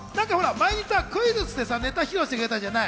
前にクイズッスでネタ披露してくれたじゃない。